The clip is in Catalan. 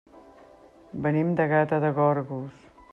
Venim de Gata de Gorgos.